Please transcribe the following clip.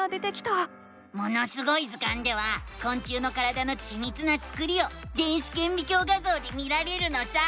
「ものすごい図鑑」ではこん虫の体のちみつなつくりを電子けんびきょう画ぞうで見られるのさ！